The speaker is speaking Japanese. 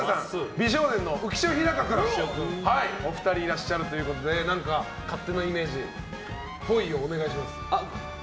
美少年の浮所飛貴君お二人いらっしゃるということで何か勝手なイメージぽいを、お願いします。